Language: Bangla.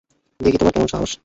দেখি তোমার কেমন সাহস।